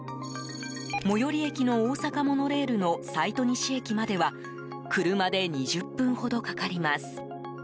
最寄り駅の大阪モノレールの彩都西駅までは車で２０分ほどかかります。